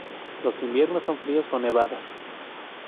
Los inviernos son fríos con nevadas.